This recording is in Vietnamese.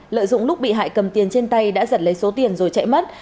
lợi dụng lúc bị hại cầm tiền trên tay đã giật lấy số tiền rồi chạy mất